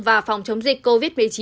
và phòng chống dịch covid một mươi chín